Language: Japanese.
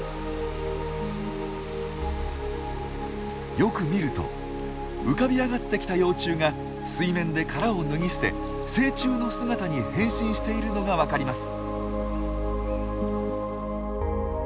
よく見ると浮かび上がってきた幼虫が水面で殻を脱ぎ捨て成虫の姿に変身しているのがわかります。